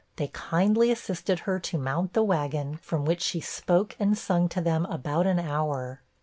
They kindly assisted her to mount the wagon, from which she spoke and sung to them about an hour.